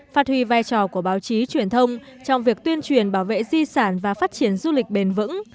phát huy vai trò của báo chí truyền thông trong việc tuyên truyền bảo vệ di sản và phát triển du lịch bền vững